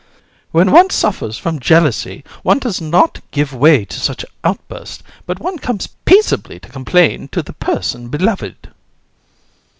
When one suffers from jealousy, one does not give way to such outbursts, but one comes peaceably to complain to the person beloved.